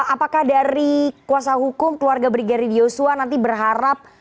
apakah dari kuasa hukum keluarga brigery diyosua nanti berharap